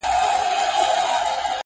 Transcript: انسانانو یو متل دی پیدا کړی!!